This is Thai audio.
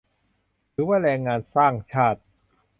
ถือว่าแรงงานสร้างชาติ